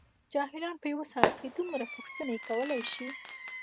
جاهلان په یوه ساعت کې دومره پوښتنې کولای شي.